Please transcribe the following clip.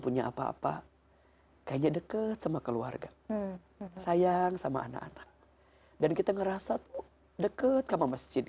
punya apa apa kayaknya deket sama keluarga sayang sama anak anak dan kita ngerasa tuh deket sama masjid